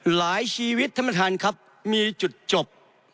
หลายชีวิตท่านประธานครับมีจุดจบ